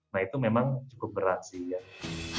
nah itu memang cukup berat sih ya